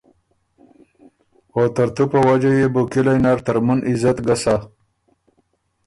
او ترتُو په وجه يې بو کِلئ نر ترمُن عزت ګۀ سُک۔